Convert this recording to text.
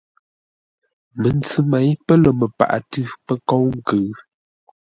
Məntsʉ měi pə̂ lə́ məpaghʼə tʉ̌ pə́ kóu nkʉ̌ʉ.